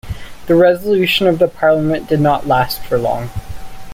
The resolution of the Parliament did not last for long.